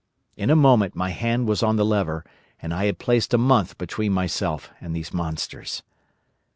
In a moment my hand was on the lever, and I had placed a month between myself and these monsters.